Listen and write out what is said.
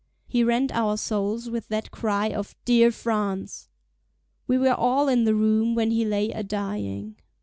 he rent our souls with that cry of "Dear France." We were all in the room when he lay a dying.